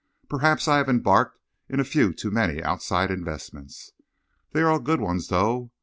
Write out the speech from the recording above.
Perhaps I have embarked in a few too many outside investments. They are all good 'uns, though.